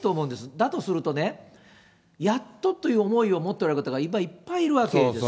だとするとね、やっとという思いを持っておられる方が今、いっぱいいるわけです。